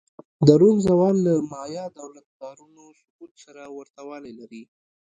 د روم زوال له مایا دولت-ښارونو سقوط سره ورته والی لري